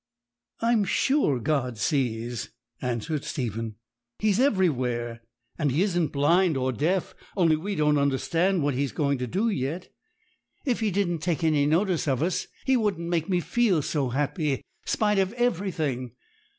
'I'm sure God sees,' answered Stephen; 'He is everywhere; and He isn't blind, or deaf, only we don't understand what He is going to do yet. If He didn't take any notice of us, He wouldn't make me feel so happy, spite of everything.